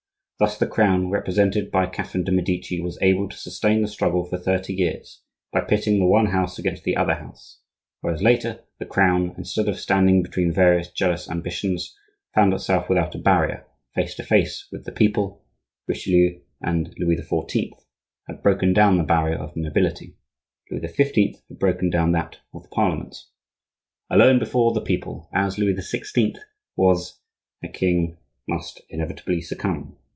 Thus the Crown, represented by Catherine de' Medici, was able to sustain the struggle for thirty years by pitting the one house against the other house; whereas later, the Crown, instead of standing between various jealous ambitions, found itself without a barrier, face to face with the people: Richelieu and Louis XIV. had broken down the barrier of the Nobility; Louis XV. had broken down that of the Parliaments. Alone before the people, as Louis XVI. was, a king must inevitably succumb.